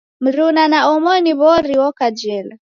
Mruna na omoni w'ori oka jela.